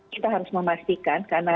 kita harus memastikan karena